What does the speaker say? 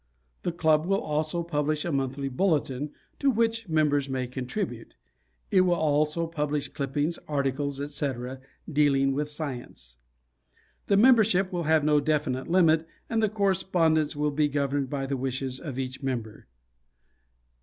The Club will also publish a monthly bulletin, to which members may contribute. It will also publish clippings, articles, etc., dealing with science. The membership will have no definite limit and the correspondence will be governed by the wishes of each member.